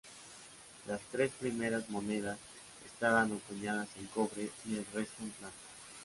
Las tres primeras monedas estaban acuñadas en cobre, y el resto en plata.